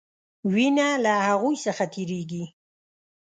وینه له هغوي څخه تیریږي.